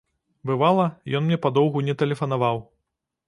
Бывала, ён мне падоўгу не тэлефанаваў.